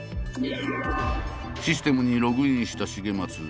システムにログインした重松。